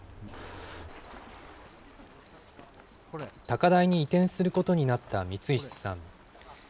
高台に移転することになった三石さん。